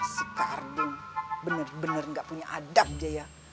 si kardun bener bener gak punya adab aja ya